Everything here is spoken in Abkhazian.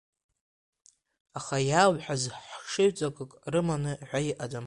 Аха иаауҳәаз хшыҩҵакык рыманы ҳәа иҟаӡам.